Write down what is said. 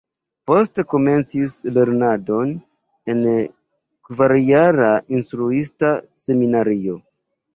Poste komencis lernadon en kvarjara Instruista Seminario.